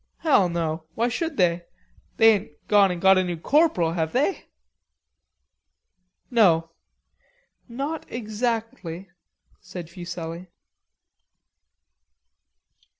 "Hell, no. Why should they? They ain't gone and got a new corporal, have they?" "No, not exactly," said Fuselli.